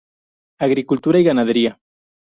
Agricultura y ganadería.